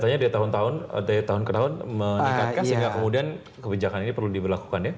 biasanya dari tahun ke tahun meningkatkan sehingga kemudian kebijakan ini perlu diberlakukan ya